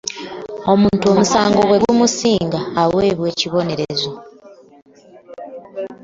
Omuntu omusango bwe gumusinga aweebwa ekibonerezo.